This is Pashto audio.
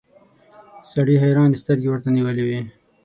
سړي حيرانې سترګې ورته نيولې وې.